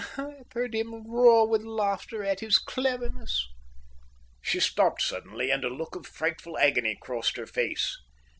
I've heard him roar with laughter at his cleverness." She stopped suddenly, and a look of frightful agony crossed her face.